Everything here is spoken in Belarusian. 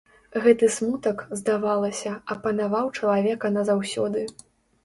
Гэты смутак, здавалася, апанаваў чалавека назаўсёды.